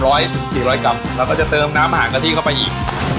แล้วก็จะเติมน้ำขาดกะทิเข้าไปอีก